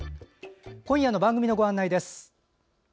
今夜の番組のご案内です。